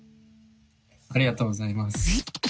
ありがとうございます。